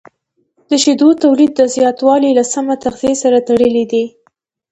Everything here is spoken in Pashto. د شیدو تولید زیاتوالی له سمه تغذیې سره تړلی دی.